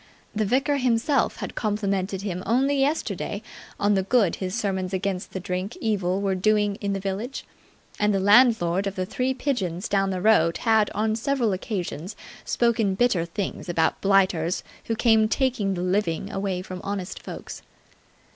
The vicar himself had complimented him only yesterday on the good his sermons against the drink evil were doing in the village, and the landlord of the Three Pigeons down the road had on several occasions spoken bitter things about blighters who came taking the living away from honest folks.